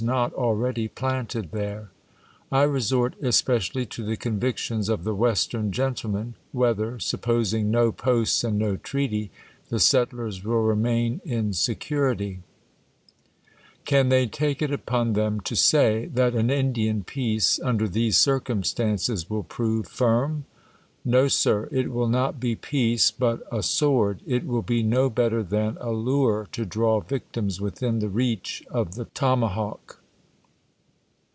not already planted there ? I resort especially to thf convictions of the Western gentlemen, whether, sup^ posing no Posts and no Treaty, the settlers will remaiij in security ? Can they take it upon them to say, tha) an Indian peace, under these circumstances, will provj firm ? No, Sir, it will not be peace, but a sword; i will be no better <han a Iwre to draw victims within th^ reach of the tomahawk.